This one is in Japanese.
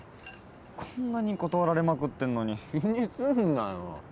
こんなに断られまくってんのに気にすんなよ